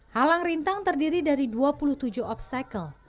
halang rintang terdiri dari dua puluh tujuh obstacle